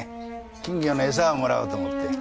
金魚のエサをもらおうと思って。